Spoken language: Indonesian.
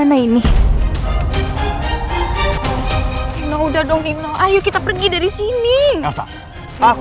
nino yaudah kita cari sama sama